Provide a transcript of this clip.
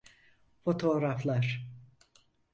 Fotoğraflar…